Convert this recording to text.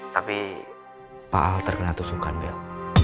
tapi pak al terkena tusukan bel